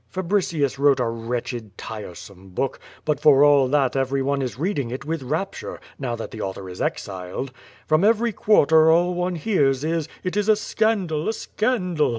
Fabricius wrote a wretched, tiresome book; but for all that every one is reading it with rapture, now that the author is exiled. From every quarter all one hears is, it is a scandal, a scandal.